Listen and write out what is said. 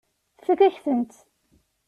Tfakk-ak-tent.